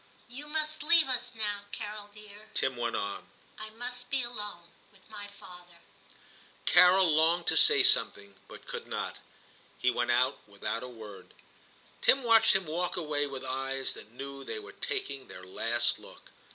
*You must leave us now, Carol dear,' Tim went on ;' I must be alone with my father.' 3i8 TIM CHAP. XIII Carol longed to say something, but could not ; he went out without a word. Tim watched him walk away with eyes that knew they were taking their last look.